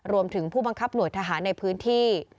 รวมถึงผู้บังคับหน่วยทหารในพื้นที่